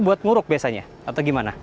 buat nguruk biasanya atau gimana